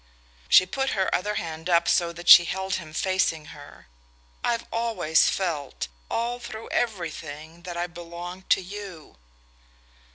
She put her other hand up, so that she held him facing her. "I've always felt, all through everything, that I belonged to you."